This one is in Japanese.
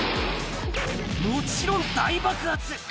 もちろん、大爆発。